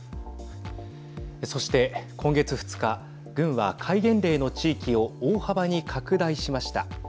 そして今月２日軍は戒厳令の地域を大幅に拡大しました。